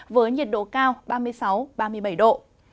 với nhiệt độ cao ba mươi sáu ba mươi bảy độ